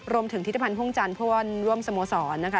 รวมถึงทฤษฐรพันธ์ภูมิในภูมิธรรมสมสรนะคะ